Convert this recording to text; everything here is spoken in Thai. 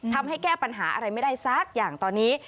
แก้ปัญหาอะไรไม่ได้สักอย่างตอนนี้